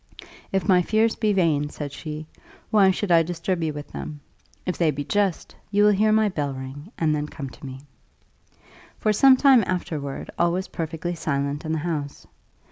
"If my fears be vain," said she, "why should I disturb you with them? If they be just, you will hear my bell ring, and then come to me." For some time afterward all was perfectly silent in the house.